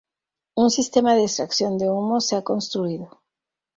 Un sistema de extracción de humos se ha construido.